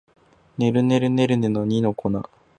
ねるねるねるねの二の粉